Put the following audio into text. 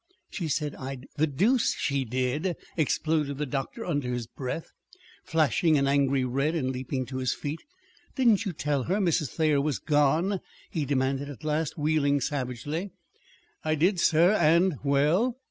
"She said I'd the deuce she did!" exploded the doctor under his breath, flushing an angry red and leaping to his feet. "Didn't you tell her Mrs. Thayer was gone?" he demanded at last, wheeling savagely. "I did, sir, and " "Well?"